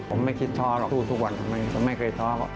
ผมไม่คิดท้อหรอกสู้ทุกวันไม่เคยท้อหรอก